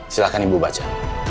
silahkan ibu baca